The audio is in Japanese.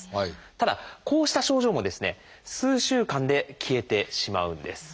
ただこうした症状もですね数週間で消えてしまうんです。